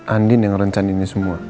andi yang rencan ini semua